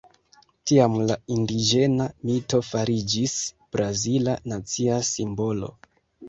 Tiam la indiĝena mito fariĝis brazila nacia simbolo.